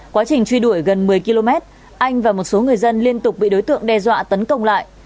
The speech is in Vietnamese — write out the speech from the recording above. quá trình truy đuổi gần một mươi km anh và một số người dân liên tục bị đối tượng đe dọa tấn công lại